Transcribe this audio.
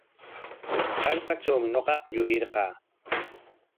Hallqatrawmi ñuqaqa yurirqaa.